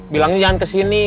bilangnya jangan kesini